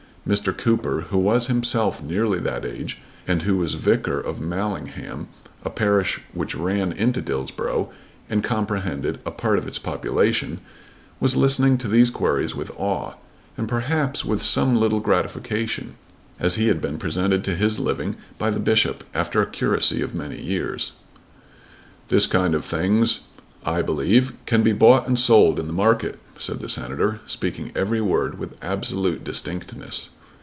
Mr. Cooper, who was himself nearly that age and who was vicar of Mallingham, a parish which ran into Dillsborough and comprehended a part of its population, was listening to these queries with awe, and perhaps with some little gratification, as he had been presented to his living by the bishop after a curacy of many years. "This kind of things, I believe, can be bought and sold in the market," said the Senator, speaking every word with absolute distinctness.